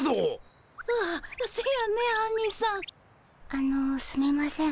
あのすみません